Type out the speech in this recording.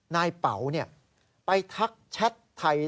นายเป๋าไปทักแชทไทย